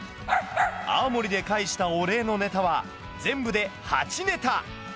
青森で返したお礼のネタは全部で８ネタ！